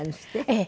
ええ。